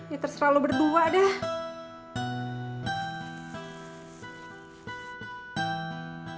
ya terserah lo berdua dah